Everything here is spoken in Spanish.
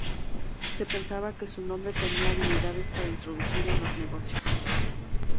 Se pensaba que su nombre tenía habilidades para introducir en los negocios.